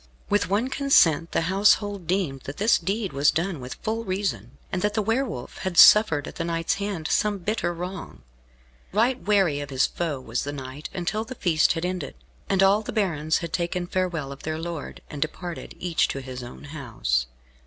With one consent the household deemed that this deed was done with full reason, and that the Wolf had suffered at the knight's hand some bitter wrong. Right wary of his foe was the knight until the feast had ended, and all the barons had taken farewell of their lord, and departed, each to his own house.